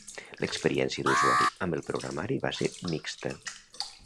L'experiència d'usuari amb el programari va ser mixta.